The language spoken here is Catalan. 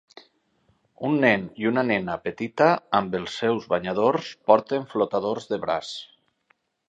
Un nen i una nena petita amb els seus banyadors porten flotadors de braç.